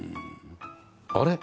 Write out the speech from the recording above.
あれ？